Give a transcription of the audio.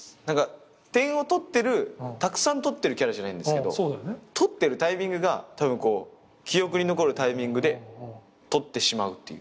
点を取ってるたくさん取ってるキャラじゃないんですけど取ってるタイミングが記憶に残るタイミングで取ってしまうっていう。